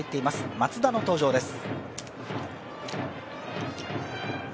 松田の登場です。